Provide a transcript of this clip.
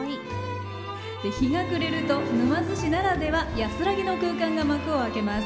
日が暮れると沼津市ならでは安らぎの空間が幕を開けます。